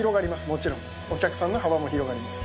もちろんお客さんの幅も広がります。